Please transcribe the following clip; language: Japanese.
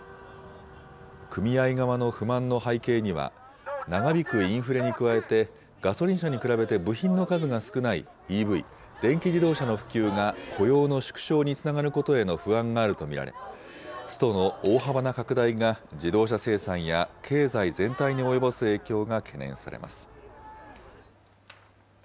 組合側の不満の背景には、長引くインフレに加えて、ガソリン車に比べて部品の数が少ないＥＶ・電気自動車の普及が雇用の縮小につながることへの不安があると見られ、ストの大幅な拡大が、自動車生産や経済全体に及ぼす影響が懸念されます。